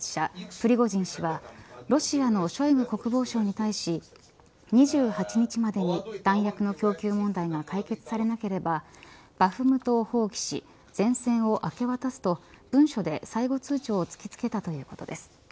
プリゴジン氏はロシアのショイグ国防相に対し２８日までに弾薬の供給問題が解決されなければバフムトを放棄し前線を明け渡すと文書で最後通牒を突きつけたということです。